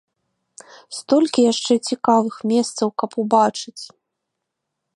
Столькі яшчэ цікавых месцаў, каб убачыць!